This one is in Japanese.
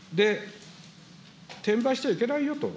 転売しちゃいけないよと。